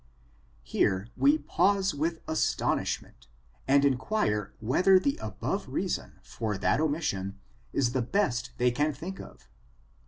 Here we pause with astonishment, and inquire whether the above reason for that omission is the best they can think of?